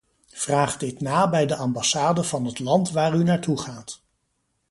Vraag dit na bij de ambassade van het land waar u naartoe gaat.